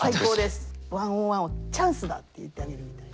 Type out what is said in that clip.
１ｏｎ１をチャンスだって言ってあげるみたいな。